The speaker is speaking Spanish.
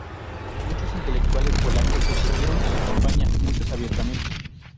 Muchos intelectuales polacos se opusieron a la campaña, muchos abiertamente.